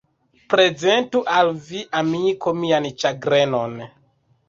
Prezentu al vi, amiko, mian ĉagrenon!